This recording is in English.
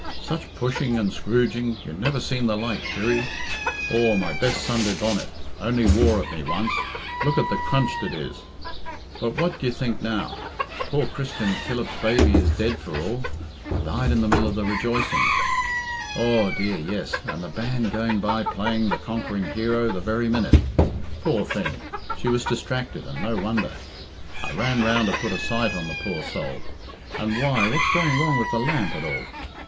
"Such pushing and scrooging, you never seen the like, Kirry. Aw, my best Sunday bonnet, only wore at me once, look at the crunched it is! But what d'ye think now? Poor Christian Killip's baby is dead for all. Died in the middle of the rejoicings. Aw, dear, yes, and the band going by playing 'The Conquering Hero' the very minute. Poor thing! she was distracted, and no wonder. I ran round to put a sight on the poor soul, and why, what's going wrong with the lamp, at all?